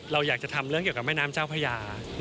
เราอยากจะทำเรื่องเกี่ยวกับแม่น้ำเจ้าพญา